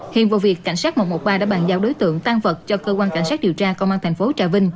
hiện vụ việc cảnh sát một trăm một mươi ba đã bàn giao đối tượng tan vật cho cơ quan cảnh sát điều tra công an thành phố trà vinh